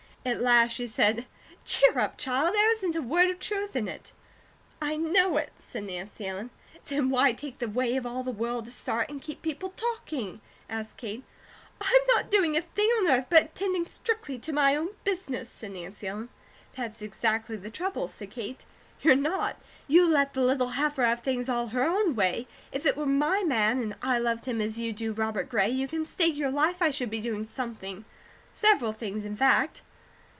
At last she said: "Cheer up, child! There isn't a word of truth in it!" "I know it," said Nancy Ellen. "Then why take the way of all the world to start, and KEEP people talking?" asked Kate. "I'm not doing a thing on earth but attending strictly to my own business," said Nancy Ellen. "That's exactly the trouble," said Kate. "You're not. You let the little heifer have things all her own way. If it were my man, and I loved him as you do Robert Gray, you can stake your life I should be doing something, several things, in fact."